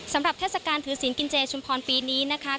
เทศกาลถือศีลกินเจชุมพรปีนี้นะคะ